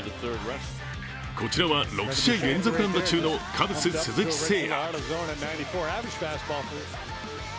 こちらは、６試合連続安打中のカブス・鈴木誠也。